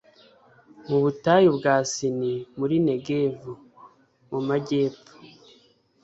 mu butayu bwa sini muri negevu, mu majyepfo